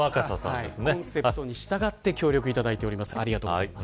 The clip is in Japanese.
セットに従ってご協力いただいております。